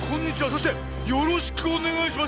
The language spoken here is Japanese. そしてよろしくおねがいします。